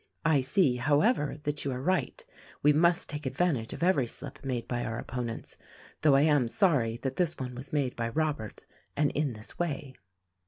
I see, however, that you are right; we must take advantage of every slip made by our opponents — though I am sorry that this one was made by Robert and in this way."